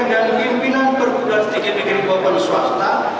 dan pimpinan pergudaran tiga negeri pahlawan swasta